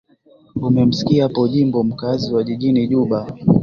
umemsikia po jimbo mkaazi wa jijini juba